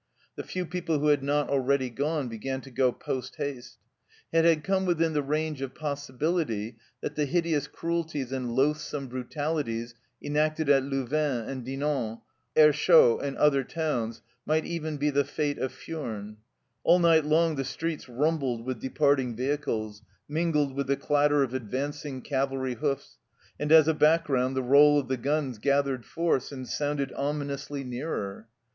The few people who had not already gone began to go post haste. It had come within the range of possibility that the hideous cruelties and loath some brutalities enacted at JLouvain and Dinant, Aerschot and other towns, might even be the fate of Furnes. All night long the streets rumbled with departing vehicles, mingled with the clatter of advancing cavalry hoofs, and as a background the roll of the guns gathered force and sounded ominously nearer.